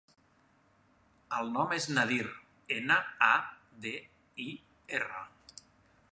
El nom és Nadir: ena, a, de, i, erra.